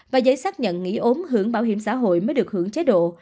và giấy xác nhận nghỉ ốm hưởng bảo hiểm xã hội mới được hưởng chế độ